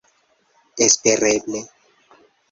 espereble